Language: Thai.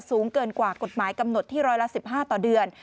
สูงเกินกว่ากฎหมายกำหนดที่ร้อยละ๑๕ต่อเดือน